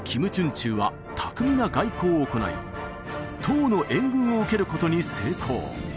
チュウは巧みな外交を行い唐の援軍を受けることに成功